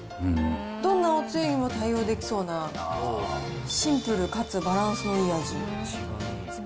どんなおつゆにも対応できそうな、シンプルかつバランスのいい味。